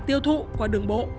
tiêu thụ qua đường bộ